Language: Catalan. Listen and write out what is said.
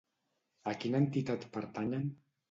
A quina entitat pertanyen?